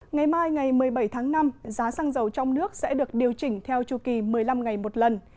ngày mai ngày một mươi bảy tháng năm giá xăng dầu trong nước sẽ được điều chỉnh theo chu kỳ một mươi năm ngày một lần